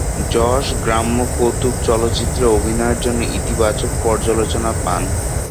যশ গ্রাম্য কৌতুক চলচ্চিত্রে অভিনয়ের জন্য ইতিবাচক পর্যালোচনা পান।